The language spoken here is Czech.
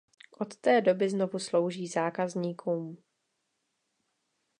Od té doby znovu slouží zákazníkům.